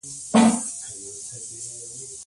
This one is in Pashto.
مګر هلته چې خلک د خوراک دي .